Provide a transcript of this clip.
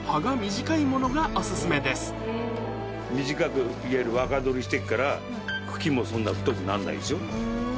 短くいわゆる若採りしてっから茎もそんな太くなんないでしょ。